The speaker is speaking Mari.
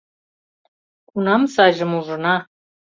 Кунам сайжым ужына?